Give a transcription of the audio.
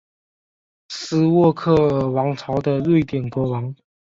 斯渥克尔王朝的瑞典国王。